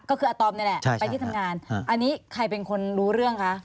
ก็คืออาตอมนี่แหละไปที่ทำงานอันนี้ใครเป็นคนรู้เรื่องคะ